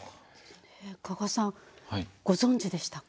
加賀さんご存じでしたか？